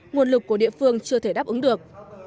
nguồn lực của địa phương chưa thể đáp ứng được